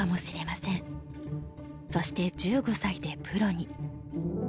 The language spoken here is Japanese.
そして１５歳でプロに。